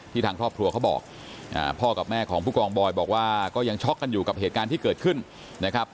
ทางครอบครัวเขาบอกพ่อกับแม่ของผู้กองบอยบอกว่าก็ยังช็อกกันอยู่กับเหตุการณ์ที่เกิดขึ้นนะครับ